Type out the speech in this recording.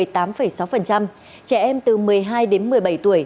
trẻ em từ một mươi hai đến một mươi bảy tuổi